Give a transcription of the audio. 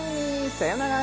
さよなら